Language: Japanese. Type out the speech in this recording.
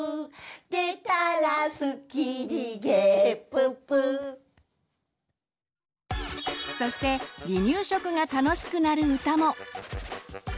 「でたらすっきりげっぷっぷ」そして離乳食が楽しくなる歌も。